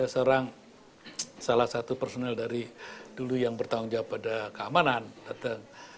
seorang salah satu personel dari dulu yang bertanggung jawab pada keamanan datang